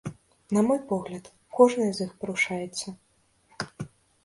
На мой погляд, кожнае з іх парушаецца.